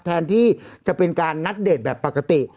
แทนที่จะเป็นการนัดเดทแบบปกติ